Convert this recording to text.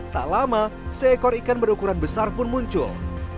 tak lama seekor ikan berukuran besar pun muncul